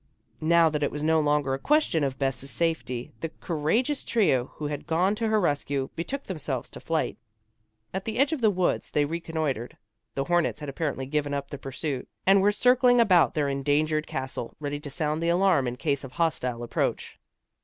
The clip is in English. Now that it was no longer a question of Bess's safety, the courageous trio who had gone to her rescue, betook themselves to flight. At the edge of the woods they reconnoitred. The hornets had apparently given up the pursuit and were circling about their endangered castle, ready to sound the alarm in case of hostile approach.